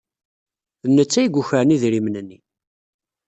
D netta ay yukren idrimen-nni.